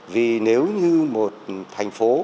vì nếu như một thành phố